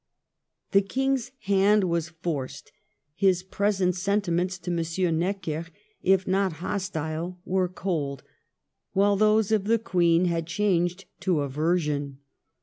The King's hand was forced. His present sentiments to M. Necker, if not hos tile, were cold ; while those of the Queen had changed to aversion.